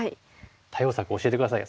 対応策教えて下さい。